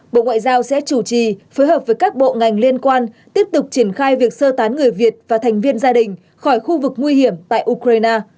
bộ ngoại giao sẽ chủ trì phối hợp với các bộ ngành liên quan tiếp tục triển khai việc sơ tán người việt và thành viên gia đình khỏi khu vực nguy hiểm tại ukraine